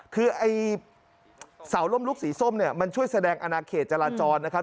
คือไอ้เสาร่มลูกสีส้มเนี่ยมันช่วยแสดงอนาเขตจราจรนะครับ